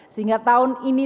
sehingga tahun ini